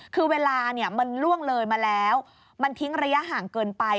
คือเวลามันล่วงเลยมาแล้วมันทิ้งระยะห่างเกินไป